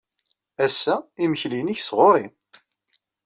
Ass-a, imekli-nnek sɣur-i.